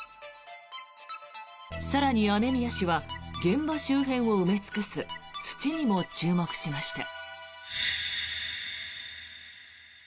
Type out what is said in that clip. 更に雨宮氏は現場周辺を埋め尽くす土にも注目しました。